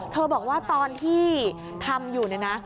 เธอบอกว่าตอนที่ทำอยู่นะ